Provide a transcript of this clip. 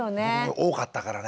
多かったからね。